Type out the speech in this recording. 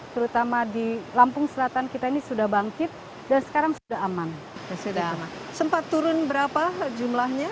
terutama di lampung selatan kita ini sudah bangkit dan sekarang sudah aman sempat turun berapa jumlahnya